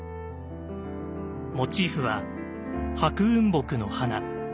モチーフは白雲木の花。